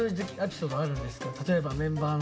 例えばメンバーの。